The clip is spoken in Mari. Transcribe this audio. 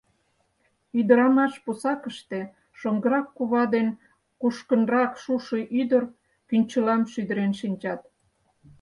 Ӱдырамаш пусакыште шоҥгырак кува ден кушкынрак шушо ӱдыр кӱнчылам шӱдырен шинчат.